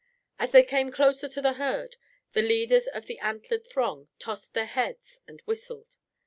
As they came closer to the herd, the leaders of the antlered throng tossed their heads and whistled.